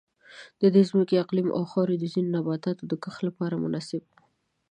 د دې ځمکې اقلیم او خاوره د ځینو نباتاتو د کښت لپاره مناسبه وه.